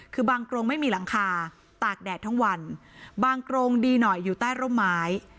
คือบางกรงไม่มีหลังคาตากแดดทั้งวันบางกรงดีหน่อยอยู่ใต้ร่มไม้